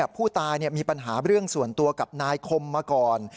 ผู้ตายมีปัญหาเรื่องส่วนตัวกับนายคมมาก่อน